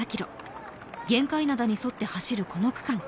玄界灘に沿って走るこの区間。